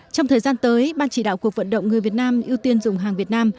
trong thời gian tới ban chỉ đạo cuộc vận động người việt nam ưu tiên dùng hàng việt nam